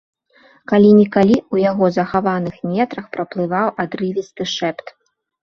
Калі-нікалі ў яго захаваных нетрах праплываў адрывісты шэпт.